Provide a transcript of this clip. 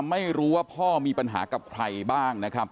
ไม่รู้ว่าพ่อมีปัญหากับใครบ้างนะครับ